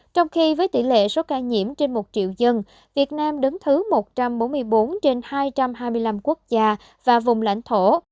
trong khi với tỷ lệ số ca nhiễm trên một triệu dân việt nam đứng thứ một trăm bốn mươi bốn trên hai trăm hai mươi năm quốc gia và vùng lãnh thổ